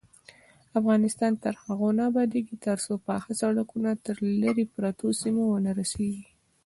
افغانستان تر هغو نه ابادیږي، ترڅو پاخه سړکونه تر لیرې پرتو سیمو ونه رسیږي.